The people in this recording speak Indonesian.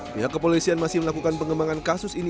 pihak kepolisian masih melakukan pengembangan kasus ini